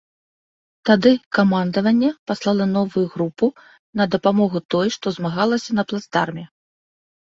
Тады камандаванне паслала новую групу на дапамогу той, што змагалася на плацдарме.